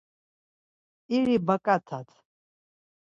İri baǩatat!